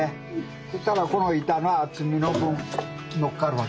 そしたらこの板が厚みの分のっかるわけ。